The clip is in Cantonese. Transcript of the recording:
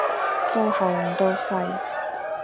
到喉唔到肺